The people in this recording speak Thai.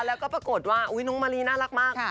แล้วก็ปรากฏว่าน้องมารีน่ารักมาก